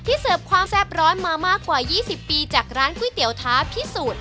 เสิร์ฟความแซ่บร้อนมามากกว่า๒๐ปีจากร้านก๋วยเตี๋ยวท้าพิสูจน์